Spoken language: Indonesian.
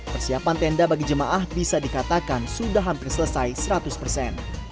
persiapan tenda bagi jemaah bisa dikatakan sudah hampir selesai seratus persen